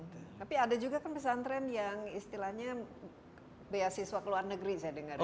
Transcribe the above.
tapi ada juga kan pesantren yang istilahnya beasiswa ke luar negeri saya dengar ya